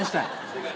正解。